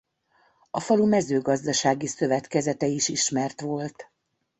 A falu mezőgazdasági szövetkezete is ismert volt.